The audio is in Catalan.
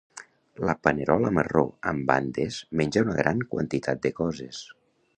La panerola marró amb bandes menja una gran quantitat de coses.